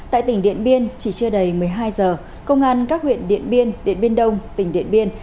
tại tỉnh điện biên chỉ chưa đầy một mươi hai giờ công an các huyện điện biên điện biên đông tỉnh điện biên